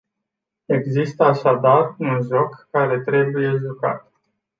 Există așadar un joc care trebuie jucat.